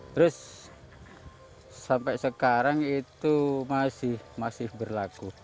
terus sampai sekarang itu masih berlaku